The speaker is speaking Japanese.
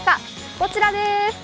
こちらでーす。